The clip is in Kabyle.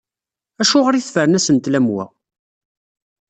Acuɣer i tefren asentel am wa?